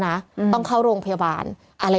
จากที่ตอนแรกอยู่ที่๑๐กว่าศพแล้ว